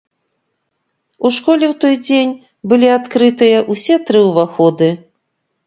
У школе ў той дзень былі адкрытыя ўсе тры ўваходы.